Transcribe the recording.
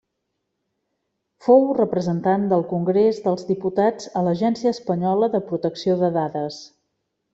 Fou representant del Congrés dels Diputats a l'Agència Espanyola de Protecció de Dades.